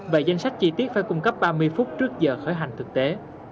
và danh sách chi tiết phải cung cấp ba mươi phút trước giờ khởi hành thực tế